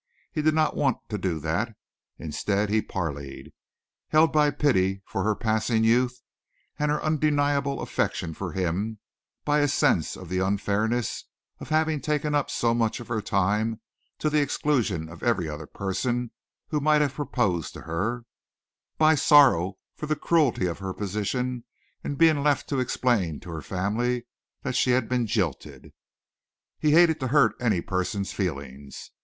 He did not want to do that. Instead he parleyed, held by pity for her passing youth and her undeniable affection for him, by his sense of the unfairness of having taken up so much of her time to the exclusion of every other person who might have proposed to her, by sorrow for the cruelty of her position in being left to explain to her family that she had been jilted. He hated to hurt any person's feelings.